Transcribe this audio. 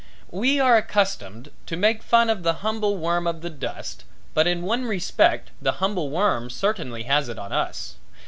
We are accustomed to make fun of the humble worm of the dust but in one respect the humble worm certainly has it on us.